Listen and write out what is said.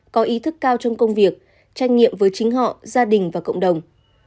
có ý thức cao trong công việc trách nhiệm với chính họ gia đình và cộng đồng